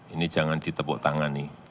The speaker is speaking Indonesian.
ini jangan ditepuk tangan nih